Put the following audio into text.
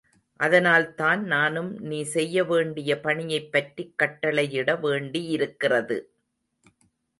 அதனால்தான் நானும் நீ செய்ய வேண்டிய பணியைப் பற்றிக் கட்டளையிட வேண்டியிருக்கிறது.